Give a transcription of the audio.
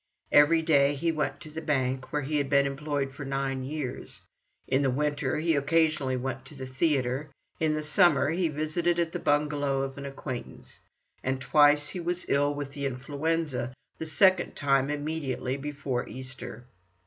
Every day he went to the bank, where he had been employed for nine years; in the winter he occasionally went to the theatre; in the summer he visited at the bungalow of an acquaintance; and twice he was ill with the influenza—the second time immediately before Easter.